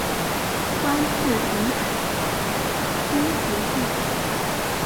官至临海军节度使。